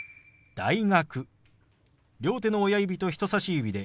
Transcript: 「大学」。